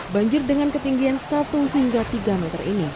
banjir dengan ketinggian satu hingga tiga meter ini